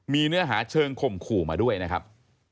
มีเนื้อหาเชิงข่มขู่มาด้วยนะครับ